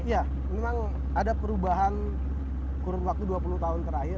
ya memang ada perubahan kurun waktu dua puluh tahun terakhir